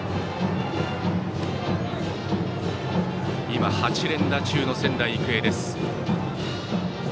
今、８連打中の仙台育英です。